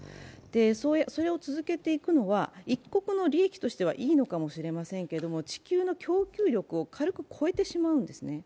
それを続けていくのは一国の利益としてはいいのかもしれませんけれども、地球の供給力を軽く超えてしまうんですね。